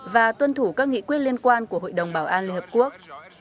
và tuân thủ các nghị quyết liên quan của hội đồng bảo an liên hợp quốc